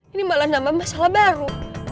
ini malah nambah masalah baru